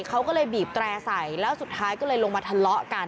เขาก็เลยบีบแตร่ใส่แล้วสุดท้ายก็เลยลงมาทะเลาะกัน